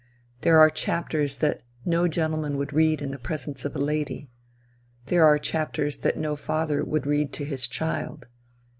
There are chapters that no gentleman would read in the presence of a lady. There are chapters that no father would read to his child.